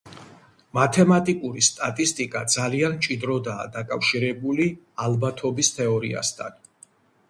მათემატიკური სტატისტიკა ძალიან მჭიდროდაა დაკავშირებული ალბათობის თეორიასთან.